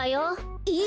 えっ？